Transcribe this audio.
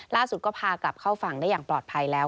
ล่าสุดก็พากลับเข้าฝั่งได้อย่างปลอดภัยแล้ว